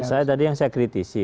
saya tadi yang saya kritisi